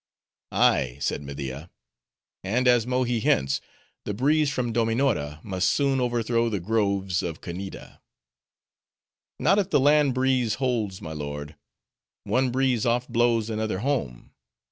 "Ay," said Media, "and as Mohi hints, the breeze from Dominora must soon overthrow the groves of Kanneeda." "Not if the land breeze holds, my lord;—one breeze oft blows another home.